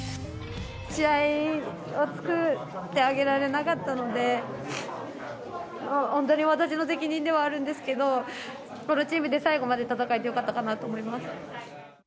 試合を作ってあげられなかったので、本当に私の責任ではあるんですけど、このチームで最後まで戦えてよかったかなと思います。